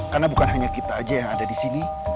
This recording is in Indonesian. karena bukan hanya kita saja yang ada disini